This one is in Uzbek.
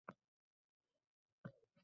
– “quvvatingni imkoni boricha teja